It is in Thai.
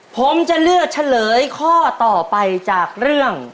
ผมจะเลือกเฉลยข้อต่อไปจากเรื่อง